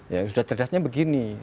ya sudah cerdasnya begini